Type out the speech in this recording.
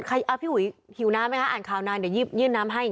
พี่อุ๋ยหิวน้ำไหมคะอ่านข่าวนานเดี๋ยวยื่นน้ำให้